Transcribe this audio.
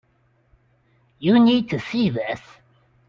You need to see this.